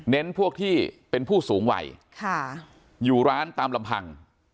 พวกที่เป็นผู้สูงวัยอยู่ร้านตามลำพัง